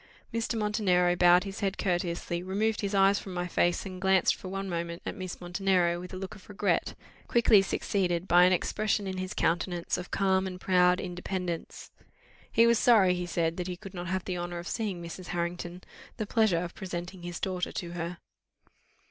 Mr. Montenero bowed his head courteously, removed his eyes from my face, and glanced for one moment at Miss Montenero with a look of regret, quickly succeeded by an expression in his countenance of calm and proud independence. He was sorry, he said, that he could not have the honour of seeing Mrs. Harrington the pleasure of presenting his daughter to her.